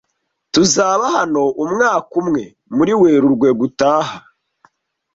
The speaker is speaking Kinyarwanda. Tuzaba hano umwaka umwe muri Werurwe gutaha.